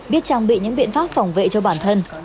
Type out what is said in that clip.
biết trang bị những biện pháp phòng vệ cho bản thân